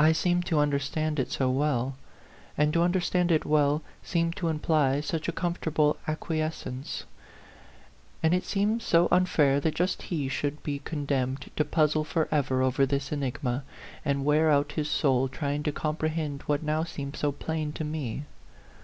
I seemed to understand it so well, and to understand it well seemed to imply such a comfortable acquiescence ; and it seemed so unfair that just he should be condemned to puzzle forever over this enigma, and wear out his soul trying to comprehend what now seemed so plain to me.